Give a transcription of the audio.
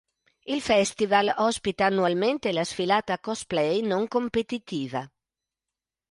Il festival ospita annualmente la sfilata Cosplay non competitiva.